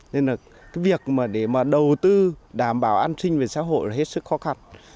nên là cái việc mà để mà đầu tư đảm bảo an sinh về xã hội là hết sức khó khăn